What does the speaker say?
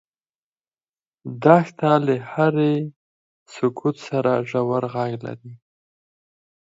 دښته له هرې سکوت سره ژور غږ لري.